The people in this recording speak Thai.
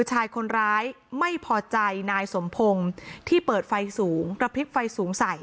ชายคนร้ายไม่พอใจนายสมพงศ์ที่เปิดไฟสูงระพลิกไฟสูงใส่